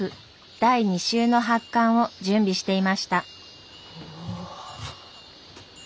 第２集の発刊を準備していました。